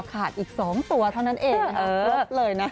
ขาดอีก๒ตัวเท่านั้นเองนะครับ